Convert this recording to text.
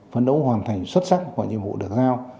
phấn đấu hoàn thành xuất sắc mọi nhiệm vụ được giao